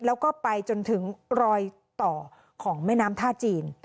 แล้วก็ไปจนถึงรอยต่อของแม่น้ำท่าจีน